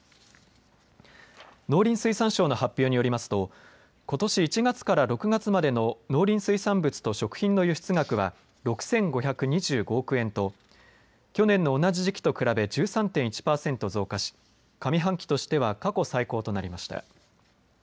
農林水産省の発表によりますとことし１月から６月までの農林水産物と食品の輸出額は６５２５億円と去年の同じ時期と比べ１３．１％増加し上半期としては過去最高となりました。